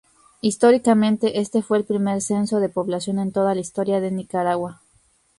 Históricamente, este fue el primer censo de población en toda la Historia de Nicaragua.